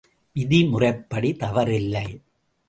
விதி முறைப்படி தவறில்லை.